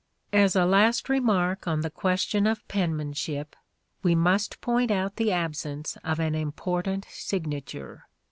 As a last remark on the question of penmanship An important we must point out the absence of an important om signature.